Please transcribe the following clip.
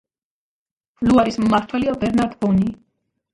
ლუარის მმართველია ბერნარდ ბონი.